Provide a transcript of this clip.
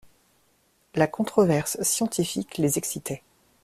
La controverse scientifique les excitait.